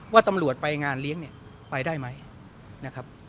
ว่าตำรวจไปงานเลี้ยงเนี่ยไปได้ไหมนะครับ